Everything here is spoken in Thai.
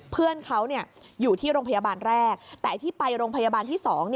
เพื่อนเขาอยู่ที่โรงพยาบาลแรกแต่ไอ้ที่ไปโรงพยาบาลที่๒